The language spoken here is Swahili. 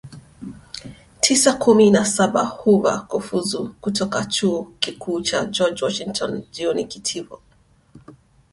tisa kumi na saba Hoover kufuzu kutoka Chuo Kikuu cha George Washington jioni Kitivo